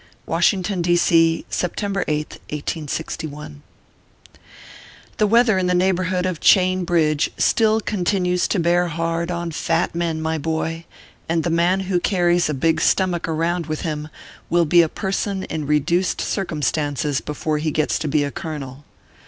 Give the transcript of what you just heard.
WASHINGTON, D. C., September Sth, 1SG1. THE weather in the neighborhood of Chain Bridge still continues to bear hard on fat men, my boy, and the man who carries a big stomach around with him will be a person in reduced circumstances before he gets to bo a colonel.